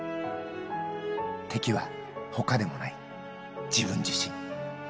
敵はほかでもない、自分自身。